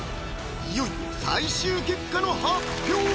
いよいよ最終結果の発表！